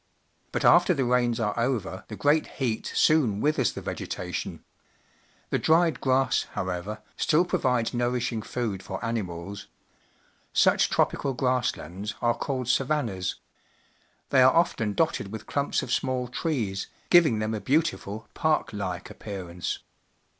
But after the rains are over, the great heat soon withers the vegetation. The dried grass, however, still provides nourishing food for animals. Such tro pical grass lands are called samnnas. They are often dotted with clumps of small trees, giving them a beautiful, park like appearance.